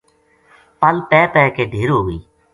پل پے پے کے ڈھیر ہو گئی